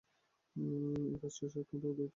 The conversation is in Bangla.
এই কাজটা সে অত্যন্ত দ্রুত করল।